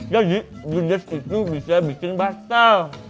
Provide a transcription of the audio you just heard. jadi judes itu bisa bikin batal